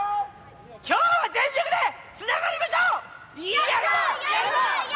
きょうは全力でつながりましょう！